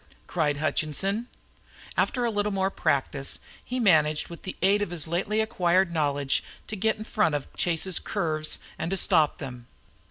cried Hutchinson. After a little more practice he managed with the aid of his lately acquired knowledge to get in front of Chase's curves and to stop them.